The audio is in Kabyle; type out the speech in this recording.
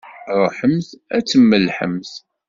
Ṛuḥemt ad tmellḥemt!